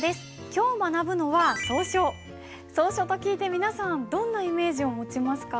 今日学ぶのは草書と聞いて皆さんどんなイメージを持ちますか？